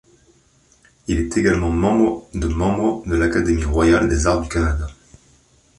Il est également membre de membre de l'Académie royale des arts du Canada.